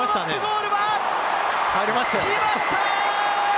決まった！